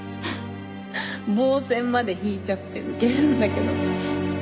傍線まで引いちゃってウケるんだけど。